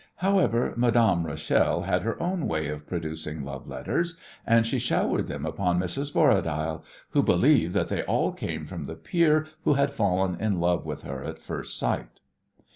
However, Madame Rachel had her own way of producing love letters, and she showered them upon Mrs. Borradaile, who believed that they all came from the peer who had fallen in love with her at first sight.